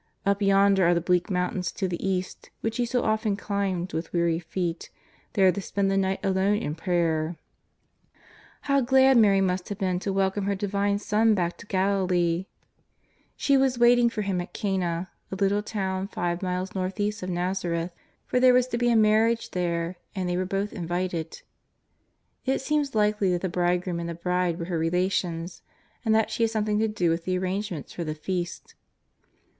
Up yonder are the bleak mountains to the east which He so often climbed with weary feet, there to spend the night alone in prayer. How glad Mary must have been to welcome her Divine Son back to Galilee ! She was waiting for Him 140 JESTTS OF NAZAKETH. at Cana, a little town five miles north east of IN'azareth, for there was to be a marriage there and they were both invited. It seems likely that the bridegroom and the bride were her relations and that she had something to do with the arrangements for the feast.